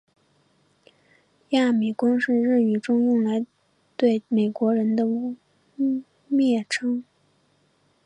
亚米公是日语中用来对美国人的蔑称。